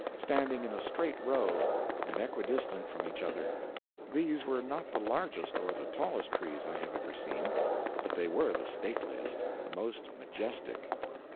standing in a straight row, and equidistant from each other. These were not the largest or the tallest trees I have ever seen, but they were the stateliest, the most majestic.